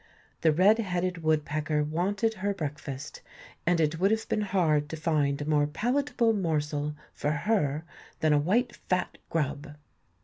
The red headed woodpecker wanted her breakfast, and it would have been hard to find a more palatable morsel for her than a white fat grub.